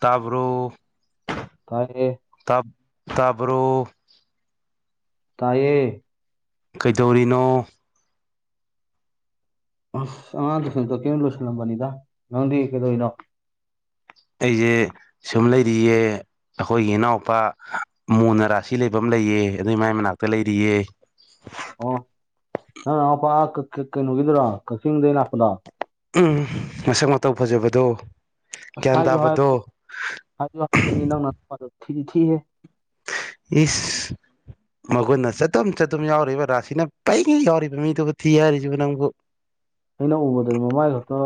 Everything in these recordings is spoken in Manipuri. ꯇꯥꯕ꯭ꯔꯣ ꯐꯥꯏꯦ ꯇꯞ ꯇꯥꯕ꯭ꯔꯣ ꯇꯥꯏꯌꯦ ꯀꯩꯗꯧꯔꯤꯅꯣ ꯑꯁ ꯑꯉꯥꯡ ꯂꯣꯏꯁꯟꯗꯣ ꯀꯩꯅꯣ ꯂꯣꯏꯁꯜꯂꯝꯕꯅꯤꯗ ꯅꯪꯗꯤ ꯀꯩꯗꯧꯔꯤꯅꯣ ꯑꯩꯁꯦ ꯁꯨꯝ ꯂꯩꯔꯤꯌꯦ ꯑꯩꯈꯣꯏꯒꯤ ꯏꯅꯥꯎꯄꯥ ꯃꯨꯅ ꯔꯥꯁꯤ ꯂꯩꯕ ꯑꯃ ꯂꯩꯌꯦ ꯑꯗꯨꯏ ꯃꯥꯏ ꯃꯅꯥꯛꯇ ꯂꯩꯔꯤꯌꯦ ꯑꯣ ꯑꯄꯥ ꯀꯩꯅꯣꯒꯤꯗ꯭ꯔꯣ ꯀꯛꯆꯤꯡꯗꯒꯤ ꯂꯥꯛꯄꯗ ꯎ ꯃꯁꯛ ꯃꯇꯧ ꯐꯖꯕꯗꯣ ꯑꯁ ꯒ꯭ꯌꯥꯟ ꯍꯥꯏꯌꯨ ꯇꯥꯕꯗꯣ ꯍꯥꯏꯕꯅꯤ ꯍꯥꯏꯌꯣ ꯍꯥꯏꯕꯅꯤ ꯅꯪꯅ ꯊꯤꯗꯤ ꯊꯤꯍꯦ ꯏꯁ ꯃꯈꯣꯏꯅ ꯆꯗꯨꯝ ꯆꯗꯨꯝ ꯌꯥꯎꯔꯤꯕ ꯔꯥꯁꯤꯅ ꯄꯛꯉꯩ ꯌꯥꯎꯔꯤꯕ ꯃꯤꯗꯨꯕꯨ ꯊꯤ ꯍꯥꯏꯔꯤꯁꯤ ꯅꯪꯕꯨ ꯑꯩꯅ ꯎꯕꯗꯗꯤ ꯃꯃꯥꯏ ꯈꯛꯇ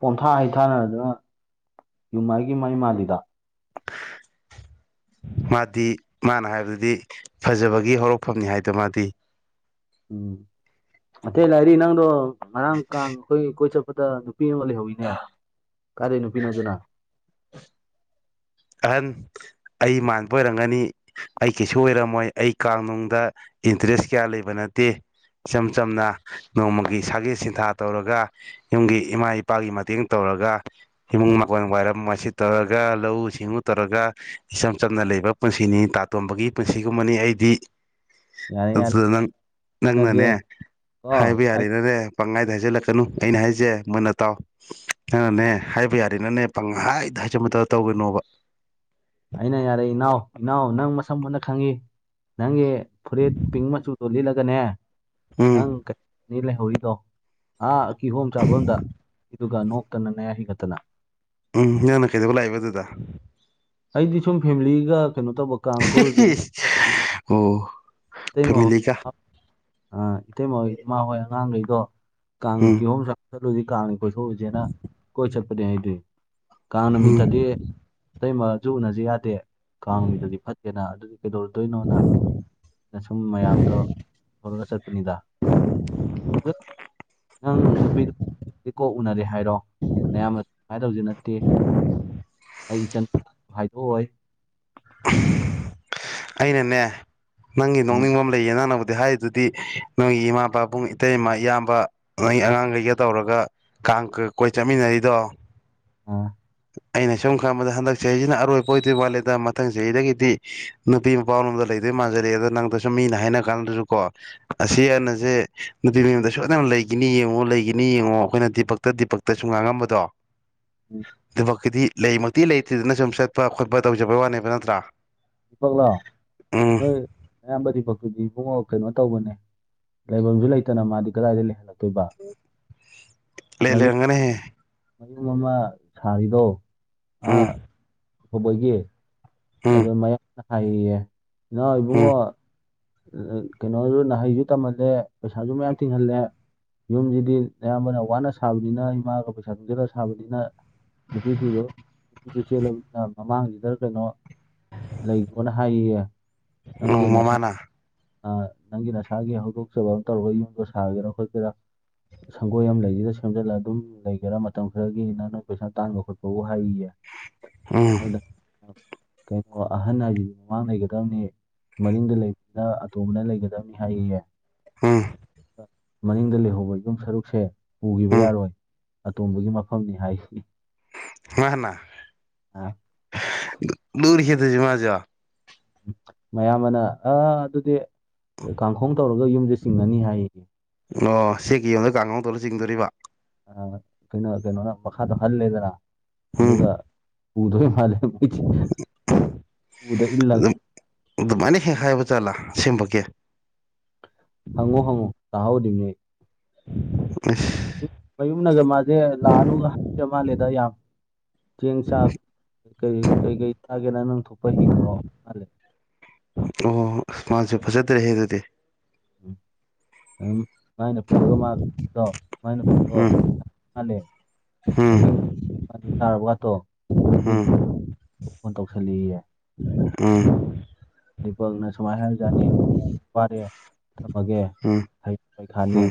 ꯄꯣꯝꯊꯥ ꯍꯩꯊꯥꯅꯔꯗꯅ ꯌꯨꯝꯃꯥꯏꯒꯤ ꯃꯥꯏ ꯃꯥꯜꯂꯤꯗ ꯃꯥꯗꯤ ꯃꯥꯅ ꯍꯥꯏꯕꯗꯨꯗꯤ ꯐꯖꯕꯒꯤ ꯍꯧꯔꯛꯐꯝꯅꯤ ꯍꯥꯏꯗ ꯃꯥꯗꯤ ꯎꯝ ꯑꯇꯩ ꯂꯥꯏꯔꯤ ꯅꯪꯗꯣ ꯉꯔꯥꯡꯀ ꯑꯩꯈꯣꯏ ꯀꯣꯏ ꯆꯠꯄꯗ ꯅꯨꯄꯤ ꯑꯃ ꯂꯩꯍꯧꯋ ꯅꯦ ꯀꯥꯗꯩ ꯅꯨꯄꯤꯅꯣꯗꯨꯅ ꯑꯍꯟ ꯑꯩ ꯃꯥꯟꯕ ꯑꯣꯏꯔꯝꯒꯅꯤ ꯑꯩ ꯀꯩꯁꯨ ꯑꯣꯏꯔꯝꯃꯣꯏ ꯑꯩ ꯀꯅꯨꯡꯗ ꯏꯟꯇꯔꯦꯁ ꯀꯌꯥ ꯂꯩꯕ ꯅꯠꯇꯦ ꯏꯆꯝ ꯆꯝꯅ ꯅꯣꯡꯃꯒꯤ ꯁꯥꯒꯦ ꯁꯤꯟꯊꯥ ꯇꯧꯔꯒ ꯌꯨꯝꯒꯤ ꯏꯃꯥ ꯏꯄꯥꯒꯤ ꯃꯇꯦꯡ ꯇꯧꯔꯒ ꯏꯃꯨꯡ ꯃꯀꯣꯟ ꯋꯥꯏꯔꯝ ꯋꯥꯏꯁꯤꯠ ꯇꯧꯔꯒ ꯂꯧꯁꯤꯡ ꯁꯤꯡꯎ ꯇꯧꯔꯒ ꯏꯆꯝ ꯆꯝꯅ ꯂꯩꯕ ꯄꯨꯟꯁꯤꯅꯤ ꯇꯥꯇꯣꯝꯕꯒꯤ ꯄꯨꯟꯁꯤꯒꯨꯝꯕꯅꯤ ꯑꯩꯗꯤ ꯌꯥꯔꯦ ꯌꯥꯔꯦ ꯑꯗꯨꯗ ꯅꯪ ꯈꯠꯅꯁꯦ ꯅꯪꯅꯅꯦ ꯀꯣ ꯍꯥꯏꯕ ꯑꯩ ꯌꯥꯔꯦꯅꯅꯦ ꯄꯪꯉꯥꯏꯗ ꯍꯥꯏꯖꯜꯂꯛꯀꯅꯨ ꯑꯩꯅ ꯍꯥꯏꯁꯦ ꯃꯣꯏꯟꯅ ꯇꯥꯎ ꯅꯪꯅꯦ ꯍꯥꯏꯕ ꯌꯥꯔꯦꯅꯅꯦ ꯄꯪꯍꯥꯏꯗ ꯍꯥꯏꯖꯃꯠꯇ ꯇꯧꯒꯣꯏꯅꯣꯕ ꯑꯩꯅ ꯌꯥꯔꯦ ꯏꯅꯥꯎ ꯏꯅꯥꯎ ꯅꯪ ꯃꯁꯝ ꯃꯟꯅ ꯈꯪꯉꯤ ꯅꯪꯒꯤ ꯐꯨꯔꯤꯠ ꯄꯤꯡ ꯃꯆꯨꯗꯣ ꯂꯤꯠꯂꯒꯅꯦ ꯎꯝ ꯅꯪ ꯀꯅꯤ ꯂꯩꯍꯧꯔꯤꯗꯣ ꯑꯥ ꯀꯤꯍꯣꯝ ꯆꯥꯐꯝꯝꯗ ꯑꯗꯨꯒ ꯅꯣꯛꯇꯅ ꯅꯌꯥ ꯍꯤꯡꯒꯠꯇꯅ ꯎꯝ ꯅꯪꯅ ꯀꯩꯗꯧꯕ ꯂꯥꯛꯏꯕ ꯑꯗꯨꯗ ꯑꯩꯗꯤ ꯁꯨꯝ ꯐꯦꯃꯤꯂꯤꯒ ꯀꯩꯅꯣ ꯇꯧꯕ ꯀꯥꯟꯀꯨꯔꯨꯖꯤꯅ ꯑꯣ ꯃꯍ ꯐꯦꯃꯤꯂꯤꯒ ꯑ ꯏꯇꯩꯃꯣꯏ ꯏꯃꯥ ꯍꯣꯏ ꯑꯉꯥꯡꯈꯩꯗꯣ ꯀꯥꯡ ꯎꯝ ꯀꯤꯍꯣꯨꯝ ꯆ ꯆꯠꯂꯨꯗꯤ ꯀꯥꯡꯉꯦ ꯀꯣꯏꯊꯣꯛꯎꯨꯁꯦꯅ ꯀꯣꯏ ꯆꯠꯄꯅꯦ ꯍꯥꯏꯗꯏ ꯀꯥꯡ ꯅꯨꯃꯤꯠꯇꯗꯤ ꯎꯝ ꯑꯇꯩꯃꯁꯨ ꯎꯅꯁꯤ ꯌꯥꯗꯦ ꯀꯥꯡ ꯃꯤꯗꯗꯤ ꯐꯠꯇꯦꯅ ꯑꯗꯨ ꯀꯩꯗꯧꯔꯛꯇꯣꯏꯅꯣꯅ ꯁꯨꯝ ꯃꯌꯥꯝꯗꯣ ꯄꯨꯔꯒ ꯆꯠꯄꯅꯤꯗ ꯑ ꯑꯪ ꯅꯨꯄꯤ ꯏ ꯀꯣꯛ ꯎꯅꯔꯦ ꯍꯥꯏꯔꯣ ꯅꯌꯥꯝꯅ ꯀꯨꯃꯥꯏꯅ ꯇꯧꯁꯨ ꯅꯠꯇꯦ ꯑꯩ ꯏꯆꯟ ꯍꯥꯏꯗꯣꯛꯑꯣ ꯑꯩꯅꯅꯦ ꯅꯪꯒꯤ ꯎꯝ ꯅꯣꯛꯅꯤꯡꯕ ꯑꯃ ꯂꯩꯌꯦ ꯅꯪꯅꯕꯨꯗꯤ ꯍꯥꯏꯔꯤꯗꯨꯗꯤ ꯅꯪꯒꯤ ꯏꯃꯥꯄꯥꯕꯨꯡ ꯏꯇꯩꯃꯥ ꯏꯌꯥꯝꯕ ꯅꯪ ꯑꯉꯥꯡꯈꯩꯒ ꯇꯧꯔꯒ ꯀꯥꯡ ꯀꯣꯏ ꯆꯠꯃꯤꯟꯅꯔꯤꯗꯣ ꯑꯥ ꯑꯩꯅ ꯁꯨꯝ ꯈꯪꯕꯗ ꯍꯟꯗꯛ ꯆꯍꯤꯁꯤꯅ ꯑꯔꯣꯏꯕ ꯑꯣꯏꯗꯣꯏ ꯋꯥꯠꯂꯦꯗ ꯃꯊꯪ ꯆꯍꯤꯗꯒꯤꯗꯤ ꯅꯨꯄꯤ ꯃꯄꯥꯔꯣꯝꯗ ꯂꯩꯗꯣꯏ ꯃꯥꯟꯖꯂꯑꯦꯗ ꯅꯪꯗꯁꯨꯨꯝ ꯃꯤꯅ ꯍꯥꯏꯅ ꯀꯥꯟꯗꯁꯨ ꯀꯣ ꯑꯁꯤ ꯑꯅꯁꯦ ꯅꯨꯡꯇꯤ ꯅꯨꯌꯨꯝꯗ ꯁꯣꯏꯗꯅ ꯂꯩꯈꯤꯅꯤ ꯌꯦꯡꯉꯣ ꯂꯩꯈꯤꯅꯤ ꯌꯦꯡꯉꯣ ꯑꯩꯈꯣꯏꯅ ꯗꯤꯄꯛꯇ ꯗꯤꯄ ꯇꯁꯨ ꯉꯥꯡꯉꯝꯕꯗꯣ ꯎꯝ ꯑꯗꯨꯃꯛꯀꯤꯗꯤ ꯂꯩꯃꯛꯇꯤ ꯂꯩꯇ꯭ꯦꯗꯅ ꯁꯨꯝ ꯆꯠꯄ ꯈꯣꯠꯄ ꯇꯧꯖꯕꯩ ꯋꯥꯅꯦꯕ ꯅꯠꯇ꯭ꯔꯥ ꯗꯤꯄꯛꯂꯣ ꯎꯝ ꯅꯣꯏ ꯑꯌꯥꯝꯕ ꯗꯤꯄꯛꯇꯨꯗꯤ ꯏꯕꯨꯡꯉ ꯀꯩꯅꯣ ꯇꯧꯕꯅꯦ ꯂꯩꯐꯝꯁꯨ ꯂꯩꯇꯅ ꯃꯥꯗꯤ ꯀꯗꯥꯏꯗ ꯂꯩꯍꯜꯂꯛꯇꯣꯏꯕ ꯂꯩ ꯃꯌꯨꯝ ꯂꯩꯔꯝꯒꯅꯤꯍꯦ ꯃꯌꯨꯝ ꯑꯃ ꯁꯥꯔꯤꯗꯣ ꯎꯝ ꯑꯐꯧꯕꯒꯤ ꯎꯝ ꯑꯗ ꯃꯌꯥꯝꯅ ꯍꯥꯏꯌꯦ ꯌꯦ ꯏꯅꯥꯎ ꯎꯝ ꯏꯕꯨꯡꯉꯣ ꯀꯩꯅꯣꯁꯨ ꯍꯩꯁꯨ ꯇꯝꯍꯜꯂꯦ ꯄꯩꯁꯥꯁꯨ ꯃꯌꯥꯝ ꯊꯤꯡꯍꯜꯂꯦ ꯌꯨꯝꯁꯤꯗꯤ ꯅꯌꯥꯝꯕꯅ ꯋꯥꯅ ꯁꯥꯕꯅꯤꯅ ꯏꯃꯥꯒ ꯄꯩꯁꯥ ꯇꯅꯨꯡꯁꯤꯜꯂꯒ ꯁꯥꯕꯅꯤꯅ ꯅꯨꯄꯤ ꯊꯤꯗꯣ ꯅꯨꯄꯤ ꯆꯦꯜꯂꯕꯅꯤꯅ ꯃꯃꯥꯡꯁꯤꯗ ꯀꯩꯅꯣ ꯂꯩꯈꯣꯅ ꯍꯥꯏꯌꯦ ꯌꯦ ꯅꯪꯒꯤ ꯑꯣ ꯅ ꯁꯛ ꯃꯃꯥꯅ ꯅꯪꯒꯤ ꯅꯁꯥꯒꯤ ꯍꯧꯗꯣꯛꯆꯕ ꯑꯃ ꯇꯧꯔꯒ ꯌꯨꯝꯗꯣ ꯁꯥꯒꯦꯔꯥ ꯈꯣꯠꯀꯦꯔꯥ ꯁꯪꯒꯣꯏ ꯑꯃ ꯂꯩꯁꯤꯗ ꯁꯦꯝꯖꯤꯜꯂ ꯑꯗꯨꯝ ꯂꯩꯒꯦꯔꯥ ꯃꯇꯝ ꯈꯔꯒꯤꯅ ꯅꯣꯏ ꯄꯩꯁꯥ ꯇꯥꯟꯕ ꯈꯣꯠꯄꯕꯨ ꯍꯥꯏꯌꯦ ꯌꯦ ꯑꯝ ꯀꯩꯅꯣ ꯑꯍꯟ ꯍꯥꯏꯁꯤꯗꯤ ꯃꯃꯥꯡ ꯂꯩꯒꯗꯕꯅꯤ ꯃꯅꯤꯡꯗ ꯂꯩꯕ ꯅ ꯑꯇꯣꯝꯕꯅ ꯂꯩꯒꯗꯕꯅꯤ ꯍꯥꯏꯌꯦꯌꯦ ꯎꯝ ꯃꯅꯤꯡꯗ ꯂꯩꯍꯧꯕ ꯌꯨꯝ ꯁꯔꯨꯛꯁꯦ ꯄꯨꯈꯤꯕ ꯎꯝ ꯌꯥꯔꯣꯏ ꯑꯇꯣꯝꯕꯒꯤ ꯃꯐꯝꯅꯤ ꯍꯥꯏꯌꯦ ꯃꯅꯥ ꯑ ꯑꯁ ꯂꯨꯔꯦꯍꯦ ꯑꯗꯨꯁꯨ ꯃꯖꯨ ꯃꯌꯥꯝ ꯕꯅ ꯑ ꯑꯗꯨꯗꯤ ꯀꯥꯡꯈꯣꯡ ꯇꯧꯔꯒ ꯌꯨꯝꯁꯤ ꯆꯤꯡꯉꯅꯤ ꯍꯥꯏꯌꯦꯌꯦ ꯑꯣ ꯆꯦꯜꯀꯤ ꯌꯨꯝꯗꯥ ꯀꯥꯡꯍꯧ ꯇꯧꯔ ꯆꯤꯡꯗꯣꯔꯤꯕ ꯀꯩꯅꯣ ꯀꯩꯅꯣꯅ ꯃꯈꯥꯗꯣ ꯍꯜꯂꯦꯗꯅ ꯎꯝ ꯑꯗꯨꯒ ꯄꯨꯗꯣꯏ ꯃꯥꯜꯂꯦ ꯑꯃꯨꯛ ꯎꯗ ꯏꯂ ꯑꯗꯨꯝ ꯑꯗꯨꯃꯥꯏꯅ ꯍꯦꯛ ꯍꯥꯏꯕ ꯆꯠꯂꯥ ꯑꯁꯦꯡꯕꯀꯤ ꯍꯪꯉꯣ ꯍꯪꯉꯣ ꯇꯍꯧꯔꯤꯃꯦ ꯑꯁ ꯃꯌꯨꯝꯅꯒ ꯃꯥꯁꯦ ꯂꯥꯛꯑꯅꯨꯒ ꯍꯥꯏ ꯃꯥꯜꯂꯦꯗ ꯌꯥꯝ ꯆꯦꯡ ꯆꯥꯛ ꯀ ꯀꯩꯀꯩ ꯆꯥꯒꯦꯅ ꯅꯪꯊꯣꯛꯄ ꯍꯤꯡꯈ꯭ꯔꯣ ꯃꯥꯜꯂꯦ ꯑꯣ ꯑꯁ ꯃꯥꯁꯨ ꯐꯖꯗ꯭ꯔꯦꯍꯦ ꯑꯗꯨꯗꯤ ꯑꯝ ꯎꯝ [unintelligible] ꯎꯝ ꯑꯍꯤꯡ ꯑꯅꯤ ꯇꯥꯔꯕꯒꯗꯣ ꯃꯤ ꯎꯝ ꯐꯣꯟ ꯇꯧꯁꯜꯂꯦꯌꯦ ꯎꯝ ꯗꯤꯄꯛꯅ ꯁꯨꯃꯥꯏ ꯍꯥꯏꯕꯖꯥꯠꯅꯦ ꯃꯥꯗꯤ ꯊꯝꯃꯒꯦ ꯎꯝ ꯄꯩꯈꯥꯅꯤ ꯎꯝ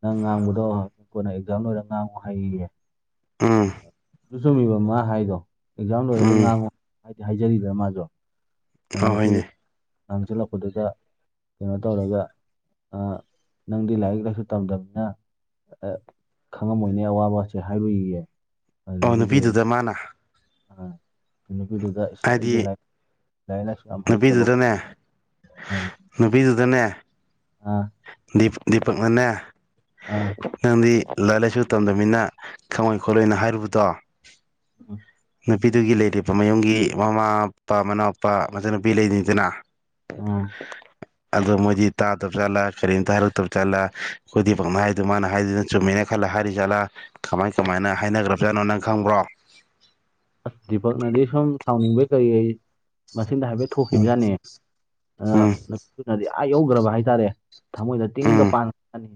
ꯅꯪ ꯉꯥꯡꯕꯗꯣ ꯀꯣꯟꯅ ꯑꯦꯛꯖꯥꯝ ꯂꯣꯏꯔꯒ ꯉꯥꯡꯉꯨ ꯍꯥꯏꯌꯦꯌꯦ ꯎꯝ ꯆꯨꯝꯁꯨ ꯆꯨꯝꯃꯤꯕ ꯑꯃ ꯍꯥꯏꯗꯣ ꯑꯦꯛꯖꯥꯝ ꯂꯣꯏꯔꯒ ꯎꯝ ꯉꯥꯡꯉꯣ ꯍꯥꯏꯗꯤ ꯍꯥꯏꯖꯔꯤꯗꯅ ꯃꯥꯁꯨ ꯑ ꯅꯨꯄꯤꯗꯨ ꯍꯣꯏꯅꯦ ꯉꯡꯖꯜꯂꯛꯄꯗꯨꯗ ꯀꯩꯅꯣ ꯇꯧꯔꯒ ꯅꯪꯗꯤ ꯂꯥꯏꯔꯤꯛ ꯂꯥꯏꯁꯨ ꯇꯝꯗꯕꯅꯤꯅ ꯈꯪꯉꯝꯃꯣꯏꯅꯦ ꯑꯋꯥꯕꯒꯁꯦ ꯍꯥꯏꯔꯨꯏꯌꯦ ꯑꯣ ꯅꯨꯄꯤꯗꯨꯗ ꯃꯥꯅ ꯑꯥ ꯅꯨꯄꯤꯗꯨꯗ ꯏꯁ ꯍꯥꯏꯗꯤ ꯑꯩꯁꯦ ꯂꯥꯏꯔꯤ ꯂꯥꯏꯔꯤꯛ ꯂꯥꯏꯁꯨ ꯌꯥꯝ ꯍꯩꯇꯕꯀꯣ ꯅꯨꯄꯤꯗꯨꯗꯅꯦ ꯅꯨꯄꯤꯗꯨꯗꯅꯦ ꯑ ꯗꯤꯄꯛꯅꯅꯦ ꯑ ꯅꯪꯗꯤ ꯂꯥꯏꯔꯤꯛ ꯂꯥꯏꯁꯨ ꯇꯝꯗꯅꯤꯅ ꯈꯪꯉꯣꯏ ꯈꯣꯠꯂꯣꯏꯅ ꯍꯥꯏꯔꯨꯕꯗꯣ ꯎꯝ ꯅꯨꯄꯤꯗꯨꯒꯤ ꯂꯩꯔꯤꯕ ꯃꯌꯨꯝꯒꯤ ꯃꯃꯥ ꯃꯄꯥ ꯃꯅꯥꯎꯄꯥ ꯃꯆꯟꯅꯨꯄꯤ ꯂꯩꯅꯤꯗꯅ ꯎꯝ ꯑꯗꯣ ꯃꯣꯏꯗꯤ ꯇꯥ ꯇꯞ ꯆꯥꯠꯂꯥ ꯀꯔꯤꯝꯇ ꯍꯥꯏꯔꯛꯇꯞ ꯆꯥꯠꯂꯥ ꯑꯩꯈꯣꯏ ꯗꯥꯄꯛ ꯍꯥꯏꯗꯨ ꯃꯥꯅ ꯍꯥꯏꯗꯨꯅ ꯆꯨꯝꯃꯦꯅ ꯈꯜꯂ ꯍꯥꯏꯔꯤ ꯆꯠꯂꯥ ꯀꯃꯥꯏ ꯀꯃꯥꯏꯅ ꯍꯥꯏꯅꯈ꯭ꯔꯕꯖꯥꯠꯅꯣ ꯅꯪ ꯈꯪꯕ꯭ꯔꯣ ꯑꯁ ꯗꯤꯄꯛꯅꯗꯤ ꯁꯨꯝ ꯁꯥꯎꯅꯤꯡꯕꯩ ꯀꯔꯤꯩ ꯃꯁꯤꯡꯗ ꯍꯥꯏꯐꯦꯠ ꯎꯝ ꯊꯣꯛꯈꯤꯕꯖꯥꯠꯅꯦ ꯎꯝ ꯅꯨꯄꯤꯗꯨꯅꯗꯤ ꯑꯥ ꯌꯧꯈ꯭ꯔꯕ ꯍꯥꯏꯇꯥꯔꯦ ꯊꯃꯣꯏꯗ ꯇꯤꯡꯒ ꯎꯝ ꯄꯥꯟꯈꯅꯤ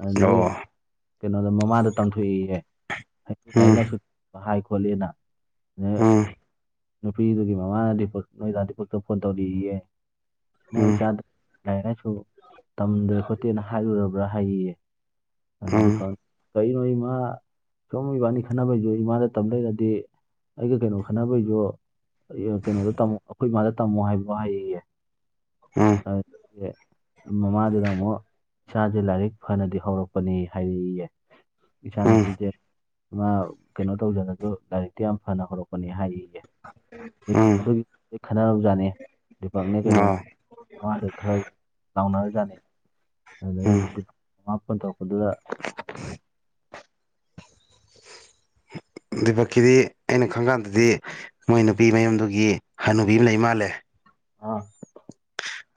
ꯑꯗꯨꯗꯒꯤ ꯑꯣ ꯀꯩꯅꯣꯗ ꯃꯃꯥꯗ ꯇꯝꯊꯣꯛꯏꯌꯦ ꯑꯩꯕꯨ ꯂꯥꯏꯔꯤꯛ ꯎꯝ ꯂꯥꯏꯁꯨ ꯍꯥꯏ ꯈꯣꯠꯂꯤꯅ ꯑ ꯎꯝ ꯅꯨꯄꯤꯗꯨꯒꯤ ꯃꯃꯥꯅꯗꯤ ꯅꯣꯏꯗꯗꯤꯐꯥꯎꯛꯇ ꯐꯣꯟ ꯇꯧꯔꯛꯑꯦꯌꯦ ꯅꯣꯏ ꯎꯝ ꯆꯥꯟꯗ ꯂꯥꯏꯔꯤꯛ ꯂꯥꯏꯁꯨ ꯇꯝꯗꯦ ꯈꯣꯠꯇꯦꯅ ꯍꯥꯏꯔꯨꯔꯕ꯭ꯔꯥ ꯍꯥꯏꯌꯦ ꯑꯗꯨꯗꯤ ꯎꯝ ꯀꯩꯅꯣ ꯏꯃꯥ ꯆꯨꯝ ꯏꯕꯥꯅꯤ ꯈꯪꯅꯁꯦ ꯏꯃꯥ ꯃꯇꯝꯗꯗꯤ ꯑꯩꯒ ꯀꯩꯅꯣ ꯈꯟꯅꯕꯩꯁꯨ ꯀꯩꯅꯣꯗ ꯇꯝꯃꯣ ꯑꯩꯈꯣꯏ ꯃꯥꯥꯗ ꯇꯝꯃꯣ ꯍꯥꯏꯕꯣ ꯍꯥꯏꯌꯦ ꯑꯥ ꯃꯃꯥꯗꯨꯅ ꯑꯃꯨꯛ ꯏꯁꯥꯁꯦ ꯂꯥꯏꯔꯤꯛ ꯐꯅꯗꯤ ꯍꯧꯔꯛꯄꯅꯤ ꯍꯥꯏꯌꯦꯌꯦ ꯏꯆꯥꯅꯨꯄꯤꯁꯦ ꯃꯥ ꯇꯧꯖꯅꯁꯨ ꯂꯥꯏꯔꯤꯛꯇꯤ ꯌꯥꯝ ꯐꯅ ꯍꯧꯔꯛꯄꯅꯤ ꯍꯥꯏꯌꯦꯌꯦ ꯎꯝ ꯑꯗꯨꯒꯤ ꯈꯟꯅꯔꯔꯕꯖꯥꯠꯅꯤ ꯄꯛꯅꯦ ꯎꯝ ꯀꯩꯩꯅꯣꯅꯦ ꯑꯣ ꯃꯉꯥꯡꯗ ꯈꯔ ꯂꯥꯎꯅꯔꯖꯥꯠꯅꯤ ꯎꯝ ꯑꯗꯨꯗꯒꯤ ꯅꯨ ꯃꯉꯥꯄꯟ ꯇꯧꯔꯛꯄꯗꯨꯗ ꯑꯗꯨꯕꯛꯀꯤꯗꯤ ꯑꯩꯅ ꯈꯪ ꯀꯥꯟꯗꯗꯤ ꯃꯣꯏ ꯅꯨꯄꯤ ꯃꯌꯨꯝꯗꯨꯒꯤ ꯍꯟꯅꯨꯕꯤ ꯑꯃ ꯂꯩ ꯃꯥꯜꯂꯦ ꯑꯥ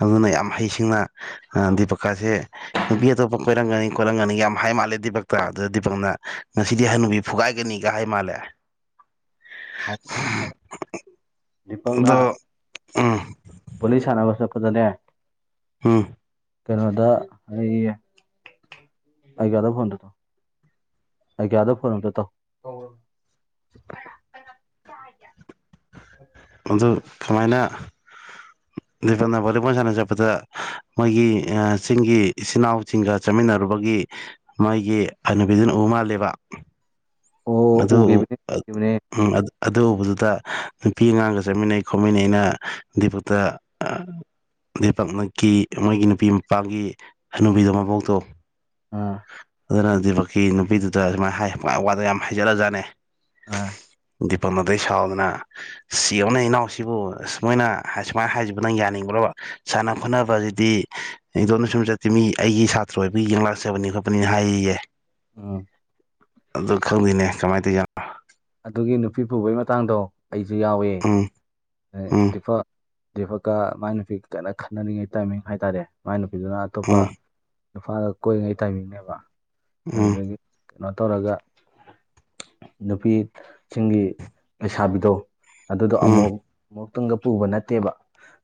ꯑꯗꯨꯅ ꯌꯥꯝ ꯍꯩꯁꯤꯡꯅ ꯗꯤꯄꯛꯀꯥꯁꯦ ꯅꯨꯄꯤ ꯑꯇꯣꯞꯄ ꯀꯣꯏꯔꯝꯒꯅꯤ ꯀꯣꯏꯔꯝꯒꯅꯤ ꯌꯥꯝ ꯍꯥꯏ ꯃꯥꯜꯂꯦ ꯗꯤꯄꯛꯇ ꯑꯗꯨꯗ ꯗꯤꯄꯛꯅ ꯉꯁꯤꯗꯤ ꯍꯥꯅꯨꯕꯤ ꯐꯨꯒꯥꯏꯒꯅꯤ ꯀꯍꯥꯏ ꯃꯥꯜꯂꯦ ꯍꯥꯏ ꯗꯣ ꯎꯝ ꯋꯥꯔꯤ ꯁꯥꯟꯅꯕ ꯆꯠꯄꯗꯅꯦ ꯍꯨꯝ ꯀꯩꯅꯣꯗ ꯑꯩꯒꯤ ꯑꯩꯒ꯭ꯌꯥꯗ ꯐꯣꯟꯗ ꯇꯧ ꯑꯩꯒ꯭ꯌꯥꯗ ꯐꯣꯟ ꯑꯃꯇ ꯇꯥꯎ ꯑꯗꯨ ꯀꯃꯥꯏꯅ ꯄꯅ ꯚꯣꯂꯤꯕꯣꯜ ꯁꯥꯟꯅ ꯆꯠꯄꯗ ꯃꯣꯏꯒꯤ ꯆꯤꯡꯒꯤ ꯏꯆꯤꯟꯜ ꯏꯅꯥꯎꯁꯤꯡꯒ ꯆꯠꯃꯤꯟꯅꯔꯨꯕꯒꯤ ꯃꯥꯥꯏꯒꯤ ꯍꯅꯨꯕꯤꯗꯨꯅ ꯎ ꯃꯥꯜꯂꯦꯕ ꯑꯣ ꯑꯗꯨ ꯎ ꯎꯒꯤꯕꯅꯦ ꯎꯒꯤꯕꯅꯦ ꯑꯗꯨ ꯎꯕꯗꯨꯗ ꯅꯨꯄꯤ ꯑꯉꯥꯡꯒ ꯆꯠꯃꯤꯟꯅꯩ ꯈꯣꯠꯃꯤꯟꯅꯩ ꯑꯩꯅ ꯐꯛꯇ ꯎꯝ ꯑ ꯄꯛꯅꯀꯤ ꯃꯣꯏꯒꯤ ꯅꯨꯄꯤ ꯃꯄꯥꯒꯤ ꯍꯟꯅꯨꯕꯤꯗꯣ ꯃꯕꯣꯛꯇꯣ ꯑꯥ ꯑꯗꯨꯅ ꯗꯤꯄꯛꯀꯤ ꯅꯨꯄꯤꯗꯨꯗ ꯁꯨꯃꯥꯏꯅ ꯍꯥꯏ ꯋꯥꯗ ꯌꯥꯝ ꯍꯥꯏꯖꯔꯂꯖꯥꯠꯅꯦ ꯑ ꯗꯤꯄꯛꯅ ꯑꯗꯩ ꯁꯥꯎꯗꯅ ꯁꯤ ꯌꯦꯡꯉꯨꯅꯦ ꯏꯅꯥꯎꯁꯤꯕꯨ ꯑ ꯃꯣꯏꯅ ꯁꯨꯃꯥꯏꯅ ꯍꯥꯏꯖꯕꯅꯪ ꯌꯥꯅꯤꯡꯕ꯭ꯔꯕ ꯁꯥꯟꯅ ꯈꯣꯠꯅꯕꯁꯤꯗꯤ ꯑꯩꯗꯣꯅ ꯁꯨꯝ ꯆꯠꯇꯦ ꯃꯤ ꯑꯩꯒꯤ ꯁꯥꯇ꯭ꯔ ꯑꯣꯏꯕꯒꯤ ꯌꯦꯡꯂꯛꯆꯕꯅꯤ ꯈꯣꯠꯄꯅꯤꯅ ꯍꯥꯏꯔꯤꯌꯦ ꯎꯝ ꯈꯪꯗꯦꯅꯦ ꯀꯃꯥꯏꯅ ꯇꯧ ꯖꯥꯠꯅꯣ ꯑꯗꯨꯒꯤ ꯅꯨꯄꯤ ꯄꯨꯕꯒꯤ ꯃꯇꯥꯡꯗꯣ ꯑꯩꯁꯨ ꯌꯥꯎꯋꯦ ꯎꯝ ꯎꯝ ꯗꯤꯄꯛ ꯑꯐꯀ ꯃꯥꯏ ꯅꯨꯄꯤꯒ ꯀꯟꯅ ꯈꯠꯟꯅꯔꯤꯉꯩ ꯇꯥꯏꯃꯤꯡ ꯍꯥꯏ ꯇꯥꯔꯦ ꯃꯥꯏ ꯅꯨꯄꯤꯗꯨꯅ ꯑꯇꯣꯞꯄ ꯎꯝ ꯏꯝꯐꯥꯜꯗ ꯀꯣꯏꯉꯩ ꯇꯥꯏꯃꯤꯡꯅꯦꯕ ꯎꯝ ꯑꯗꯨꯗꯒꯤ ꯀꯩꯅꯣ ꯇꯧꯔꯒ ꯅꯨꯄꯤꯁꯤꯡꯒꯤ ꯂꯩꯁꯥꯕꯤꯗꯣ ꯑꯗꯨꯗꯣ ꯎꯝ ꯑꯃꯨꯛ ꯑꯃꯨꯛꯇꯪꯗ ꯄꯨꯕ ꯅꯠꯇꯦꯕ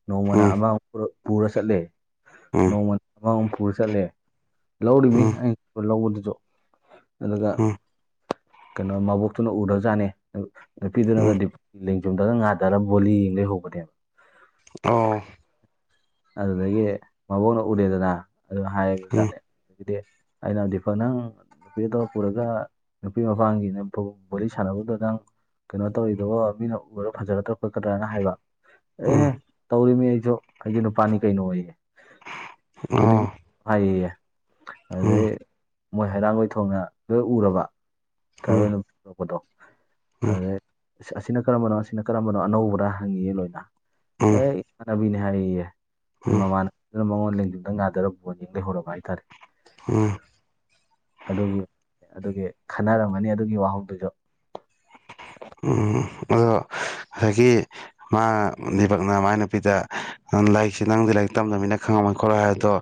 ꯅꯣꯡꯃꯅ ꯎꯝ ꯑꯃꯃꯨꯛ ꯄꯨꯔ ꯆꯠꯂꯦ ꯎꯝ ꯅꯣꯡꯃ ꯑꯃꯃꯨ ꯄꯨꯔ ꯆꯠꯂꯦ ꯂꯧꯔꯤꯃꯤ ꯎꯝ ꯑꯩ ꯂꯧꯕꯗꯨꯁꯨ ꯑꯗꯨꯒ ꯎꯝ ꯀꯩꯅꯣ ꯃꯕꯣꯛꯇꯨꯅ ꯎꯔ ꯖꯅꯤ ꯎꯝ ꯅꯨꯄꯤꯗꯨꯅꯒꯗꯤ ꯂꯦꯡꯖꯨꯝꯗꯒ ꯉꯥꯗꯔ ꯕꯣꯂꯤ ꯌꯦꯡ ꯂꯩꯍꯧꯕꯅꯦꯕ ꯑꯣ ꯑꯗꯨꯗꯒꯤ ꯃꯕꯣꯛꯅ ꯎꯔꯦꯗꯅ ꯑꯗꯨ ꯎꯝ ꯍꯥꯏꯕꯖꯠꯅꯤ ꯗꯤ ꯑꯩꯅ ꯗꯤꯄꯥꯛ ꯅꯪ ꯅꯨꯄꯤꯗꯣ ꯄꯨꯔꯒ ꯅꯨꯄꯤ ꯃꯄꯥꯡꯒꯤ ꯅꯦꯝꯚꯣꯛ ꯋꯥꯔꯤ ꯁꯥꯟꯅꯕꯗꯨ ꯅꯪ ꯀꯩꯅꯣ ꯇꯧꯔꯤꯗꯨꯕꯣ ꯃꯤꯅ ꯎꯔꯣ ꯐꯖꯒꯗ꯭ꯔꯥ ꯈꯣꯠꯀꯗ꯭ꯔꯥꯅ ꯍꯥꯏꯕ꯫ ꯑꯦꯍꯦ ꯎꯝ ꯇꯧꯔꯤꯃꯤ ꯑꯩꯁꯨ ꯑꯩꯁꯨ ꯅꯨꯄꯥꯅꯤ ꯀꯩꯅꯣ ꯌꯦ ꯑꯣ ꯍꯩꯌꯦꯌꯦ ꯑꯗꯨꯗꯩ ꯎꯝ ꯃꯣꯏ ꯍꯩꯔꯥꯡꯒꯣꯏ ꯊꯣꯡꯅ ꯂꯣꯏ ꯎꯔꯕ꯫ ꯎꯝ ꯇꯔꯥꯏꯕꯦꯜ [unintelligible] ꯎꯝ ꯑꯗꯨꯗꯩꯩ ꯑꯁꯤꯅ ꯀꯔꯝꯕꯅꯣ ꯑꯁꯤꯅ ꯀꯔꯝꯕꯅꯣ ꯑꯅꯧꯕꯔ ꯍꯪꯉꯤꯌꯦ ꯂꯣꯏꯅ ꯎꯝ ꯑꯦ ꯏꯃꯥꯟꯅꯕꯤꯅꯤ ꯍꯥꯏꯌꯦ꯫ ꯎꯝ ꯃꯃꯥꯟꯅꯕꯤ ꯑꯗꯨꯅ ꯃꯉꯣꯟ ꯂꯦꯡꯖꯨꯝꯗ ꯉꯥꯗꯔ ꯐꯣꯟ ꯌꯦꯡ ꯂꯩꯍꯧꯔꯕ ꯍꯥꯏꯇꯔꯦ꯫ [inaudible] ꯑꯗꯨꯒꯤ ꯑꯗꯨꯒꯤ ꯈꯟꯅꯔꯝꯒꯅꯤ ꯑꯗꯨꯒꯤ ꯋꯥꯍꯧꯗꯨꯁꯨ꯫ ꯎꯝ ꯑꯗꯣ ꯍꯖꯤꯛꯀꯤ ꯃꯥ ꯗꯤꯄꯛꯅ ꯃꯥꯏ ꯅꯨꯄꯤꯗ ꯂꯥꯏꯔꯤꯛꯁꯤ ꯅꯪꯗꯤ ꯂꯥꯏꯔꯤꯛ ꯇꯝꯗꯕꯅꯤꯅ ꯈꯪꯉꯝꯃꯣꯏ ꯈꯣꯠꯂꯣꯏ ꯍꯥꯏꯑꯗꯣ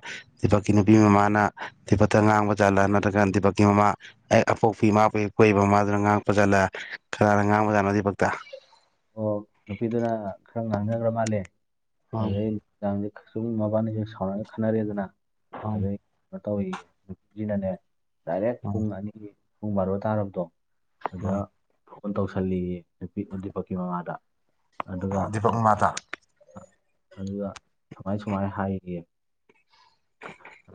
ꯗꯤꯄꯛꯀꯤ ꯅꯨꯄꯤ ꯃꯃꯥꯅ ꯗꯤꯄꯛꯇ ꯉꯥꯡꯕ ꯖꯠꯂ ꯅꯠꯇ꯭ꯔꯒ ꯗꯤꯄꯛꯀꯤ ꯃꯃꯥ꯫ ꯍꯦꯛ ꯑꯄꯣꯛꯄꯤ ꯄꯕꯨ ꯍꯦꯛ ꯄꯣꯛꯏꯕ ꯃꯃꯥꯗꯨꯅ ꯉꯥꯡꯉꯛꯄ ꯖꯠꯂ ꯀꯅꯥꯅ ꯉꯥꯡꯕꯖꯠꯅꯣ ꯗꯤꯄꯛꯇ꯫ ꯑꯣ ꯅꯨꯄꯤꯗꯨꯅ ꯈꯔ ꯉꯥꯡꯅꯒꯔ ꯃꯥꯜꯂꯦ ꯑꯗꯩ [inaudible] ꯃꯕꯥꯅꯤꯁꯦ ꯁꯥꯎꯅꯔꯒ ꯈꯠꯅꯔꯦꯗꯅ ꯑꯗꯩ ꯀꯩꯅꯣ ꯇꯧꯏꯌꯦ ꯅꯨꯄꯤꯁꯤꯅꯅꯦ ꯗꯥꯏꯔꯦꯛ ꯄꯨꯡ ꯑꯅꯤꯒꯤ ꯄꯨꯡ ꯕꯥꯔꯣ ꯇꯥꯔꯕꯗꯣ ꯑꯗꯨꯗ ꯐꯣꯟ ꯇꯧꯁꯜꯂꯤꯌꯦ ꯅꯨꯄꯤ ꯗꯤꯄꯥꯛꯀꯤ ꯃꯃꯥꯗ ꯑꯗꯨꯒ ꯗꯤꯄꯛ ꯃꯃꯥꯗ ꯑꯗꯨꯒ ꯁꯨꯃꯥꯏ ꯁꯨꯃꯥꯏꯅ ꯍꯥꯏꯒꯦ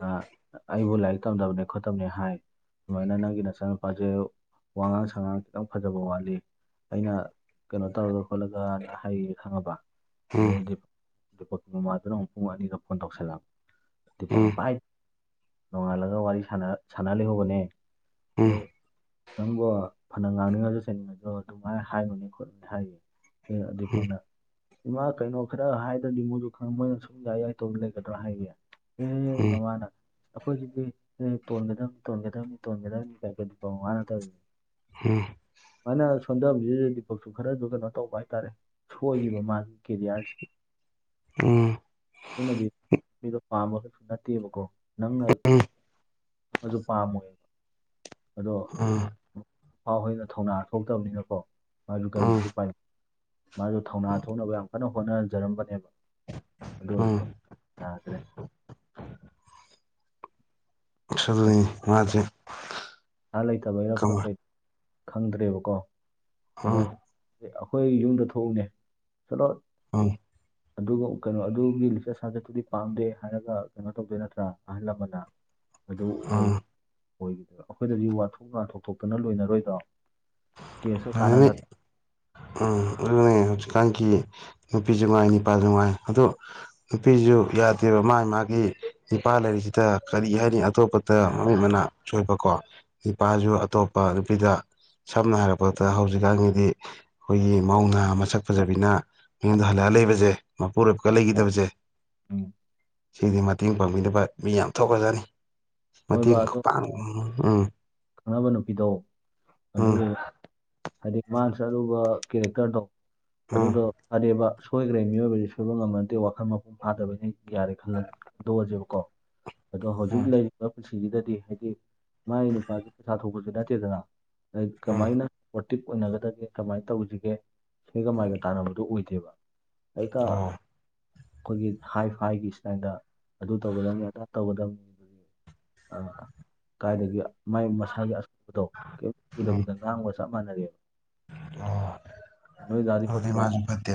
ꯑꯩꯕꯨ ꯂꯥꯏꯔꯤꯛ ꯇꯝꯗꯕꯅꯤ ꯈꯣꯠꯇꯕꯅꯤ ꯍꯥꯏ ꯁꯨꯃꯥꯏꯅ ꯅꯪꯒꯤ ꯅꯆꯥꯅꯨꯄꯥꯖꯦ ꯋꯉꯥꯡ ꯁꯉꯥꯡ ꯈꯤꯇꯪ ꯐꯖꯕ ꯋꯥꯠꯂꯤ ꯑꯩꯅ ꯀꯩꯅꯣ ꯇꯧꯔꯒ ꯈꯣꯠꯂꯒꯅ ꯍꯥꯏꯌꯦ ꯈꯪꯉꯕ ꯎꯝ ꯑꯗꯩꯩꯗꯤ ꯗꯤꯄꯛꯀꯤ ꯃꯃꯥꯗꯨꯅ ꯑꯃꯨꯛ ꯄꯨꯡ ꯑꯅꯤꯗ ꯐꯣꯟ ꯇꯧꯁꯜꯂꯛꯑꯕ ꯗꯤꯄꯛꯅ ꯎꯝ ꯄꯥꯏ ꯅꯣꯡꯉꯥꯜꯂꯒ ꯋꯥꯔꯤ ꯁꯥꯟꯅꯔ ꯁꯟꯅ ꯂꯩꯍꯧꯕꯅꯦ꯫ ꯎꯝ ꯅꯪꯕꯣ ꯐꯅ ꯉꯥꯡꯅꯤꯡꯉꯁꯨ ꯆꯩꯅꯤꯡꯉꯁꯨ ꯑꯗꯨꯃꯥꯏꯅ ꯍꯥꯏꯅꯨꯅꯦ ꯈꯣꯠꯅꯨ ꯍꯥꯏꯅꯦ ꯗꯤꯄꯛꯅ ꯏꯃꯥ ꯀꯩꯅꯣ ꯈꯔ ꯍꯥꯏꯗ꯭ꯔꯗꯤ ꯃꯣꯏꯁꯨ ꯈ ꯃꯣꯏꯅ ꯁꯨꯝ ꯌꯥꯏ-ꯌꯥꯏ ꯇꯧ ꯂꯩꯒꯗ꯭ꯔꯥ ꯍꯥꯏꯌꯦ ꯎꯝ ꯃꯃꯥꯅ ꯑꯩꯈꯣꯏꯁꯤꯗꯤ ꯇꯣꯟꯒꯗꯕꯅꯤ ꯇꯣꯟꯒꯗꯕꯅꯤ ꯇꯣꯟꯒꯗꯕꯅꯤ ꯀꯥꯏ ꯗꯤꯄꯛ ꯃꯃꯥꯅ ꯇꯧꯔꯤꯅꯦ ꯍꯝ꯫ ꯁꯨꯃꯥꯏꯅ ꯁꯣꯟꯗꯕ ꯗꯤꯄꯛꯁꯨ ꯈꯔꯁꯨ ꯀꯩꯅꯣ ꯇꯧꯕ ꯍꯥꯏꯇꯔꯦ ꯁꯣꯏꯈꯤꯕ ꯃꯥꯒꯤ ꯀꯦꯔꯤꯌꯥꯔꯁꯦ꯫ ꯎꯝ꯫ ꯑꯗꯨꯅꯗꯤ ꯃꯤꯗꯣ ꯄꯥꯝꯕ ꯈꯛꯇ ꯅꯠꯇꯦꯕꯀꯣ ꯅꯪꯅ꯫ ꯑꯃꯁꯨ ꯄꯥꯝꯃꯣꯏ ꯑꯗꯣ ꯃꯄꯥ ꯍꯣꯏꯅ ꯊꯧꯅꯥ ꯊꯣꯛꯇꯕꯅꯤꯅꯀꯣ꯫ ꯃꯥꯁꯨ ꯎꯝ ꯀꯔꯤꯗꯤ ꯎꯝ ꯎꯝ ꯎꯄꯥꯏꯂꯩ ꯃꯥꯁꯨ ꯊꯧꯅꯥ ꯊꯣꯛꯅꯕ ꯌꯥꯝ ꯀꯟꯅ ꯍꯣꯠꯅꯖꯔꯝꯕꯅꯦꯕ꯫ ꯑꯗꯨ ꯎꯝ ꯑꯣꯏꯁꯨ ꯌꯥꯗ꯭ꯔꯦ꯫ ꯎꯁ ꯄꯩꯁꯥ ꯑꯗꯨꯅꯤꯅꯦ ꯃꯁꯦ [inaudible] ꯂꯩꯇꯕꯩꯔ ꯈꯣꯠꯄꯩꯔ ꯈꯪꯗ꯭ꯔꯦꯕꯀꯣ ꯑꯗꯣ ꯎꯝ ꯑꯩꯈꯣꯏ ꯌꯨꯝꯗ ꯊꯣꯛꯎꯅꯦ ꯁꯂꯣ [inaudible] ꯑꯗꯨꯒ ꯀꯩꯅꯣ ꯑꯗꯨꯒꯤ ꯂꯤꯆꯠ ꯁꯖꯠꯇꯨꯗꯤ ꯄꯥꯝꯗꯦ ꯍꯥꯏꯔꯒ ꯀꯩꯅꯣ ꯇꯧꯗꯣꯏ ꯅꯠꯇ꯭ꯔ ꯑꯍꯜ ꯂꯃꯟꯅ꯫ ꯑꯗꯨ ꯑꯣꯏ ꯎꯝ ꯑꯣꯏꯈꯤꯗꯕ ꯑꯩꯈꯣꯏꯗꯗꯤ ꯋꯥꯊꯣꯛ ꯂꯥꯟꯊꯣꯛ ꯊꯣꯛꯣꯛꯇꯅ ꯂꯣꯏꯅꯔꯣꯏꯗꯣ ꯀꯦꯁꯀ ꯑꯗꯨꯃꯥꯏꯅ ꯀꯥꯟꯅꯗ꯫ ꯎꯝ꯫ ꯍꯧꯖꯤꯛꯀꯥꯟꯒꯤ ꯅꯨꯄꯤꯁꯨꯅꯨꯡꯉꯥꯏ ꯅꯨꯄꯥꯁꯨꯅꯨꯡꯉꯥꯏ ꯑꯗꯣ ꯅꯨꯄꯤꯁꯨ ꯌꯥꯗꯦꯕ ꯃꯥꯒꯤ ꯃꯥꯒꯤ ꯅꯨꯄꯥ ꯂꯩꯔꯤꯁꯤꯗ ꯀꯔꯤ ꯍꯥꯏꯅꯤ ꯑꯇꯣꯞꯄꯗ ꯃꯃꯤ ꯃꯅꯥ ꯁꯣꯏꯕꯀꯣ ꯅꯨꯄꯥꯁꯨ ꯑꯇꯣꯞꯄ ꯅꯨꯄꯤꯗ ꯁꯝꯅ ꯍꯥꯏꯔꯕꯗ ꯍꯧꯖꯤꯛꯀꯥꯟꯒꯤꯗꯤ ꯑꯩꯈꯣꯏꯒꯤ ꯃꯧꯅꯥ ꯁꯛ ꯐꯖꯕꯤꯅ ꯃꯤꯉꯣꯟꯗ ꯍꯜꯂꯛꯑꯒ ꯂꯩꯕꯁꯦ ꯃꯄꯨꯔꯣꯏꯕꯀ ꯂꯩꯈꯤꯗꯕꯁꯦ ꯎꯝ ꯁꯤꯗꯤ ꯃꯇꯦꯡ ꯄꯥꯡꯕꯤꯅꯕ ꯃꯤ ꯌꯥꯝ ꯊꯣꯛꯈꯔꯥꯖꯅꯤ ꯍꯣꯏ ꯕꯥ ꯃꯇꯦꯡ ꯑꯗꯣ ꯈꯨꯄꯥꯡ ꯎꯝ ꯈꯪꯅꯕ ꯅꯨꯄꯤꯗꯣ ꯎꯝ ꯑꯗꯨꯗꯨ ꯍꯥꯏꯗꯤ [unintelligible] ꯀꯦꯔꯦꯛꯇꯔꯗꯣ ꯎꯝ ꯑꯗꯨꯗꯣ ꯐꯔꯦꯕ ꯁꯣꯏꯈ꯭ꯔꯦ ꯃꯤꯑꯣꯏꯕꯖꯦ ꯁꯣꯏꯕ ꯉꯝꯕꯗꯦ ꯋꯥꯈꯜ ꯃꯄꯨꯡ ꯐꯥꯗꯕꯅꯤ ꯌꯥꯔꯦ ꯈꯟ ꯈꯟꯗꯣꯛꯑꯁꯦꯕꯀꯣ ꯑꯗꯣ ꯍꯧꯖꯤꯛ ꯎꯝ ꯂꯩꯔꯤꯕ ꯄꯨꯟꯁꯤꯁꯤꯗꯗꯤ ꯍꯥꯏꯗꯤ ꯃꯥꯒꯤ ꯅꯨꯄꯥꯁꯨ ꯄꯩꯁꯥ ꯊꯣꯛꯄꯁꯨ ꯅꯠꯇꯦꯗꯅ ꯑꯗ ꯎꯝ ꯀꯃꯥꯏꯅ ꯄꯣꯔꯇꯤꯞ ꯑꯣꯏꯅꯒꯗꯒꯦ ꯀꯃꯥꯏꯅ ꯇꯧꯁꯤꯒꯦ ꯁꯤꯒꯥ ꯃꯥꯏꯒ ꯇꯥꯟꯅꯕꯗꯣ ꯑꯣꯏꯗꯦꯕ ꯍꯦꯛꯇꯥ ꯎꯝ ꯑꯣ ꯑꯩꯈꯣꯏꯒꯤ ꯍꯥꯏ ꯐꯥꯏꯒꯤ ꯏꯁꯇꯥꯏꯜꯗ ꯑꯗꯨ ꯇꯧꯒꯗꯕꯅꯦ ꯑꯗꯥ ꯇꯧꯒꯗꯕꯅꯦ ꯀꯥꯏꯗꯒꯤ ꯃꯥꯏ ꯃꯁꯥꯒꯤ ꯑꯁꯣꯏꯕꯗꯣ ꯀꯥꯌꯦꯝ ꯎꯝ ꯎꯗꯕꯤꯗ ꯉꯥꯡꯕ ꯆꯞ ꯃꯥꯅꯔꯦ ꯑꯣ ꯗꯥ ꯑꯗꯨꯗꯤ ꯗꯤꯄꯛꯁꯨ ꯃꯖꯨ ꯐꯠꯇꯦ